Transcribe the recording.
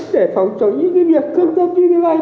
để phòng chống những việc thương thương như thế này mà xảy ra